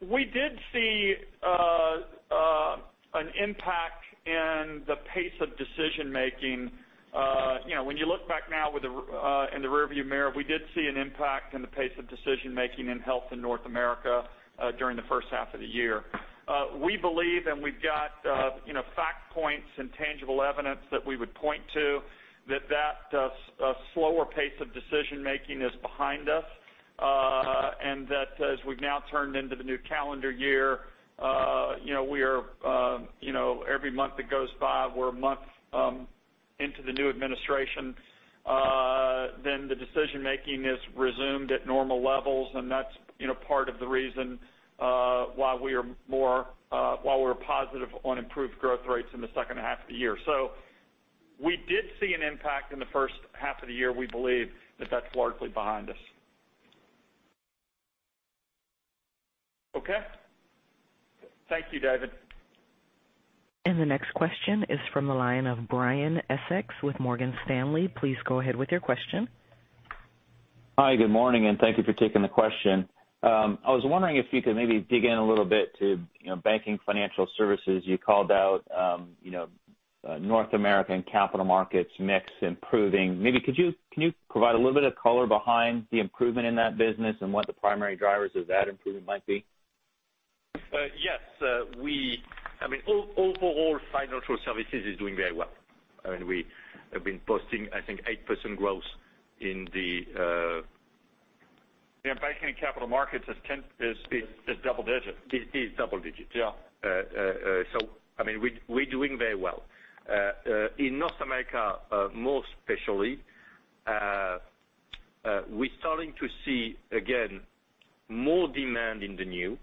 We did see an impact in the pace of decision-making. When you look back now in the rearview mirror, we did see an impact in the pace of decision-making in health in North America during the first half of the year. We believe, and we've got fact points and tangible evidence that we would point to, that that slower pace of decision-making is behind us, and that as we've now turned into the new calendar year, every month that goes by, we're a month into the new administration. The decision-making is resumed at normal levels, and that's part of the reason why we're positive on improved growth rates in the second half of the year. We did see an impact in the first half of the year. We believe that that's largely behind us. Okay. Thank you, David. The next question is from the line of Brian Essex with Morgan Stanley. Please go ahead with your question. Hi, good morning, thank you for taking the question. I was wondering if you could maybe dig in a little bit to banking financial services. You called out North American capital markets mix improving. Maybe could you provide a little bit of color behind the improvement in that business and what the primary drivers of that improvement might be? Yes. Overall, financial services is doing very well. We have been posting, I think 8% growth in the- Yeah, banking and capital markets is double digit. It is double digit. Yeah. We're doing very well. In North America, most especially, we're starting to see, again, more demand in the new.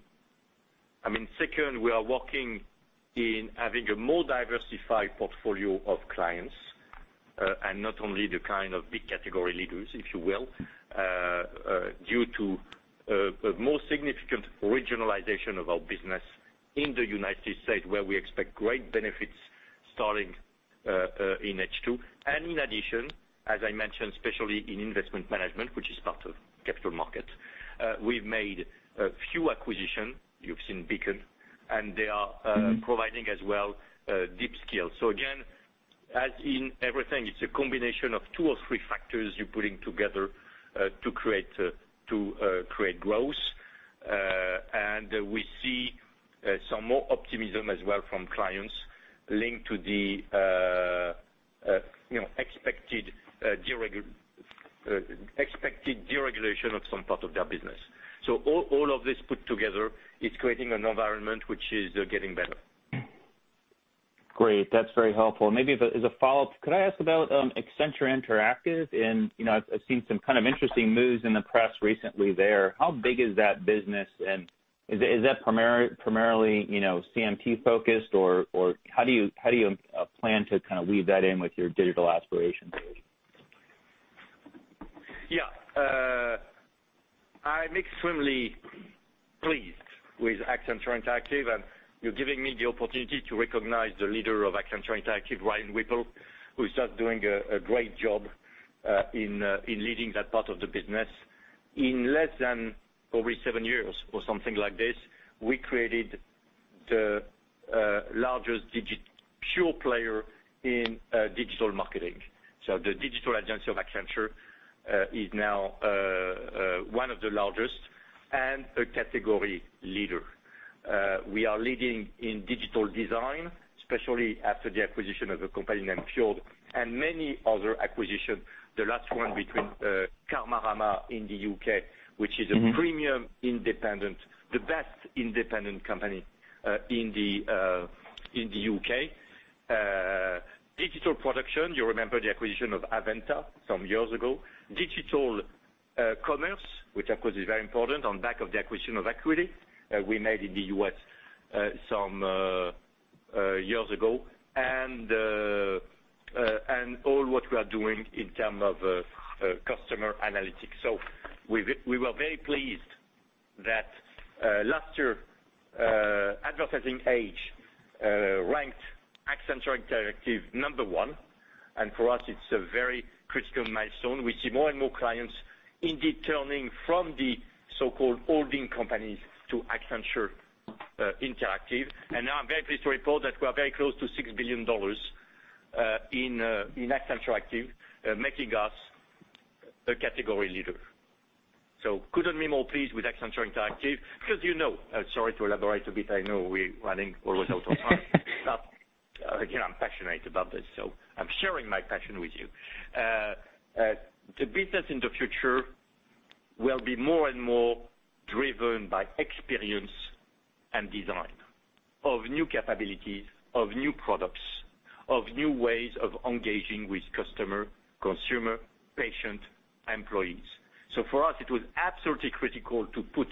Second, we are working in having a more diversified portfolio of clients, not only the kind of big category leaders, if you will, due to a more significant regionalization of our business in the United States, where we expect great benefits starting in H2. In addition, as I mentioned, especially in investment management, which is part of capital markets. We've made a few acquisitions. You've seen Beacon. They are providing as well deep skills. Again, as in everything, it's a combination of two or three factors you're putting together to create growth. We see some more optimism as well from clients linked to the expected deregulation of some part of their business. All of this put together is creating an environment which is getting better. Great. That's very helpful. Maybe as a follow-up, could I ask about Accenture Interactive? I've seen some kind of interesting moves in the press recently there. How big is that business, and is that primarily CMT focused, or how do you plan to kind of weave that in with your digital aspirations? I'm extremely pleased with Accenture Interactive, and you're giving me the opportunity to recognize the leader of Accenture Interactive, Ryan Whipple, who's just doing a great job in leading that part of the business. In less than over seven years or something like this, we created the largest pure player in digital marketing. The digital agency of Accenture is now one of the largest and a category leader. We are leading in digital design, especially after the acquisition of a company named Fjord and many other acquisitions. The last one between Karmarama in the U.K., which is a premium independent, the best independent company in the U.K. Digital production, you remember the acquisition of avVenta some years ago. Digital commerce, which of course, is very important on back of the acquisition of Acquity we made in the U.S. some years ago. All what we are doing in terms of customer analytics. We were very pleased that last year, Advertising Age ranked Accenture Interactive number one. For us, it's a very critical milestone. We see more and more clients indeed turning from the so-called holding companies to Accenture Interactive. Now I'm very pleased to report that we are very close to $6 billion in Accenture Interactive, making us a category leader. Couldn't be more pleased with Accenture Interactive. Sorry to elaborate a bit. I know we're running almost out of time. Again, I'm passionate about this, I'm sharing my passion with you. The business in the future will be more and more driven by experience and design of new capabilities, of new products, of new ways of engaging with customer, consumer, patient, employees. For us, it was absolutely critical to put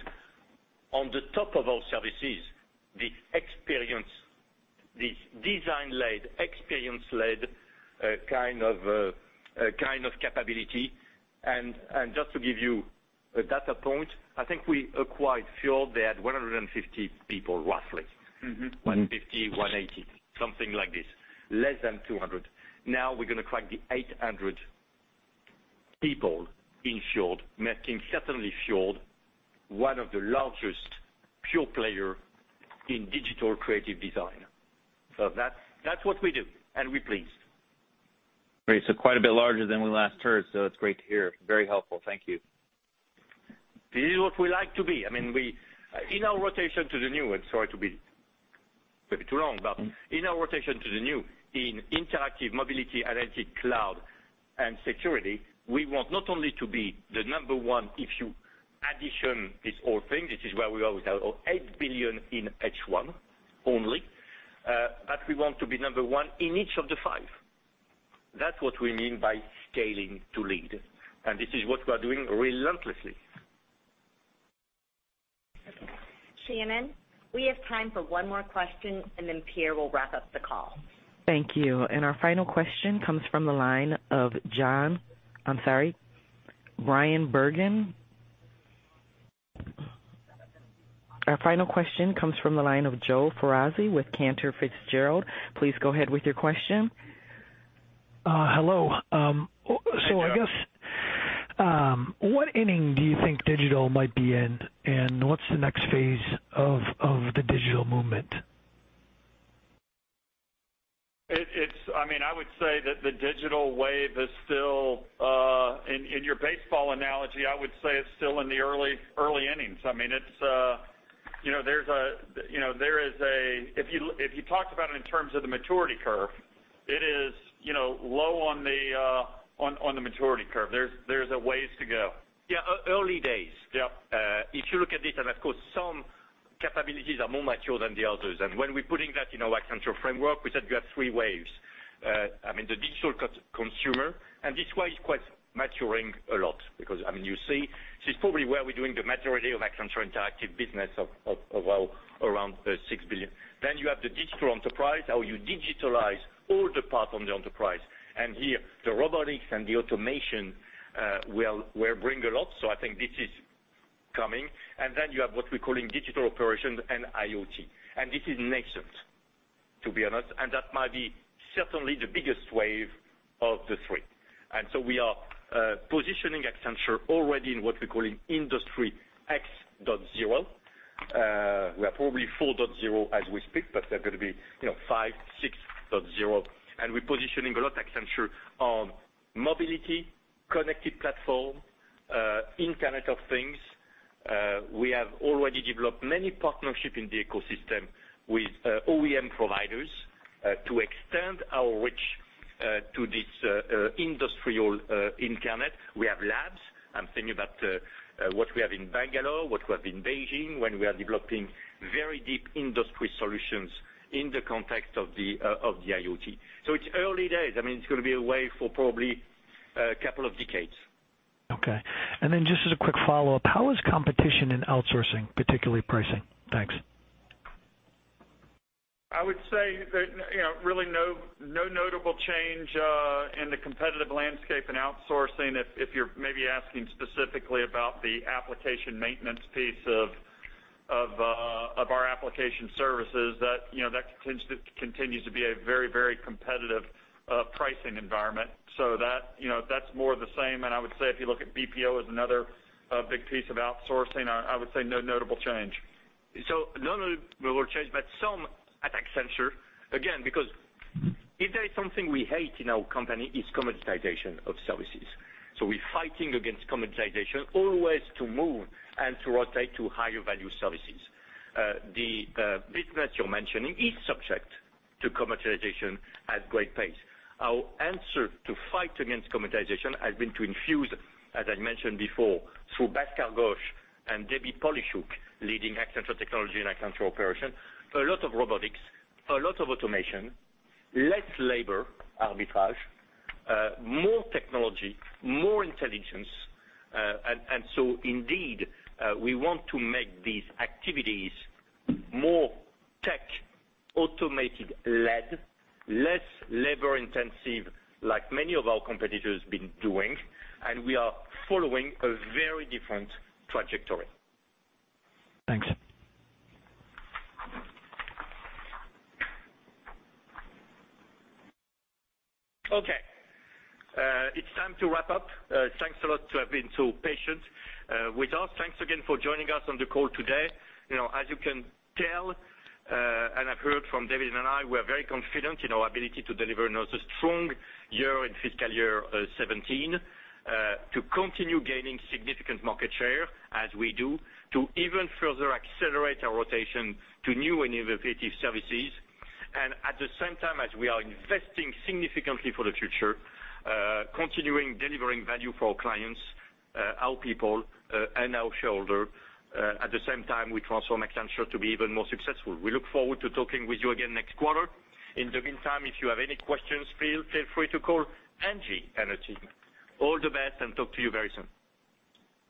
on the top of our services, the experience, this design-led, experience-led kind of capability. Just to give you a data point, I think we acquired Fjord, they had 150 people, roughly. 150, 180, something like this. Less than 200. We're going to crack the 800 people in Fjord, making certainly Fjord one of the largest pure player in digital creative design. That's what we do, and we're pleased. Great. Quite a bit larger than we last heard, so it's great to hear. Very helpful. Thank you. This is what we like to be. In our rotation to the new, and sorry to be maybe too long, but in our rotation to the new, in interactive mobility, analytic cloud, and security, we want not only to be the number 1, if you addition these whole things, which is where we always have $8 billion in H1 only, but we want to be number 1 in each of the 5. That's what we mean by scaling to lead, and this is what we are doing relentlessly. Okay. Shannon, we have time for one more question, and then Pierre will wrap up the call. Thank you. Our final question comes from the line of Joseph Foresi with Cantor Fitzgerald. Please go ahead with your question. Hello. Hey, Joe. I guess, what inning do you think digital might be in, and what's the next phase of the digital movement? I would say that the digital wave is still, in your baseball analogy, I would say it's still in the early innings. If you talked about it in terms of the maturity curve, it is low on the maturity curve. There's a ways to go. Yeah, early days. Yep. If you look at this, some capabilities are more mature than the others. When we're putting that in our Accenture framework, we said you have three waves. The digital consumer, this wave is maturing a lot because you see, this is probably where we're doing the majority of Accenture Interactive business of around $6 billion. You have the digital enterprise, how you digitalize all the part on the enterprise. Here, the robotics and the automation will bring a lot, so I think this is coming. You have what we're calling digital operations and IoT, this is nascent, to be honest, and that might be certainly the biggest wave of the three. We are positioning Accenture already in what we're calling Industry X.0. We are probably 4.0 as we speak, but there are going to be 5, 6.0. We're positioning a lot Accenture on mobility, connected platform, Internet of Things. We have already developed many partnerships in the ecosystem with OEM providers to extend our reach to this industrial internet. We have labs. I'm thinking about what we have in Bangalore, what we have in Beijing, when we are developing very deep industry solutions in the context of the IoT. It's early days. It's going to be a wave for probably a couple of decades. Okay. Just as a quick follow-up, how is competition in outsourcing, particularly pricing? Thanks. I would say, really no notable change in the competitive landscape in outsourcing. If you're maybe asking specifically about the application maintenance piece of our application services, that continues to be a very competitive pricing environment. That's more the same. I would say if you look at BPO as another big piece of outsourcing, I would say no notable change. No notable change, but some at Accenture, again, because if there is something we hate in our company, it's commoditization of services. We're fighting against commoditization, always to move and to rotate to higher value services. The business you're mentioning is subject to commoditization at great pace. Our answer to fight against commoditization has been to infuse, as I mentioned before, through Bhaskar Ghosh and Debra Polishook, leading Accenture Technology and Accenture Operations, so a lot of robotics, a lot of automation, less labor arbitrage, more technology, more intelligence. Indeed, we want to make these activities more tech automated led, less labor intensive, like many of our competitors been doing. We are following a very different trajectory. Thanks. Okay. It's time to wrap up. Thanks a lot to have been so patient with us. Thanks again for joining us on the call today. As you can tell, and I've heard from David and I, we're very confident in our ability to deliver another strong year in fiscal year 2017, to continue gaining significant market share as we do, to even further accelerate our rotation to new and innovative services. At the same time, as we are investing significantly for the future, continuing delivering value for our clients, our people, and our shareholder. At the same time, we transform Accenture to be even more successful. We look forward to talking with you again next quarter. In the meantime, if you have any questions, feel free to call Angie and her team. All the best. Talk to you very soon.